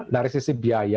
dari sisi biaya